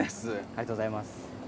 ありがとうございます。